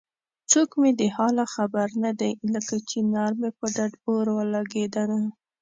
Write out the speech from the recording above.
څوک مې د حاله خبر نه دی لکه چنار مې په ډډ اور ولګېدنه